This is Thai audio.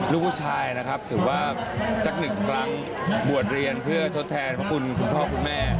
ลูกชายนะครับถือว่าสักหนึ่งครั้งบวชเรียนเพื่อทดแทนพระคุณคุณพ่อคุณแม่